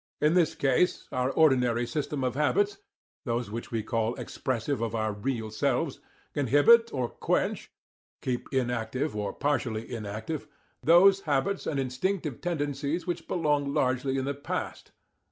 In this case our ordinary system of habits those which we call expressive of our 'real selves' inhibit or quench (keep inactive or partially inactive) those habits and instinctive tendencies which belong largely in the past"(p.